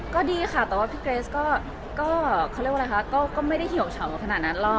ก็ดีค่ะแต่พี่เกรสก็ไม่ได้เหี่ยวชาวขนาดนั้นหรอ